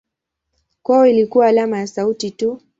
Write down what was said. Kwao ilikuwa alama ya sauti tu.